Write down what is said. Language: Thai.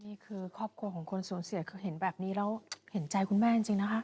นี่คือครอบครัวของคนสูญเสียคือเห็นแบบนี้แล้วเห็นใจคุณแม่จริงนะคะ